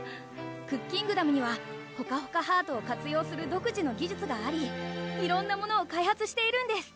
クッキングダムにはほかほかハートを活用する独自の技術があり色んなものを開発しているんです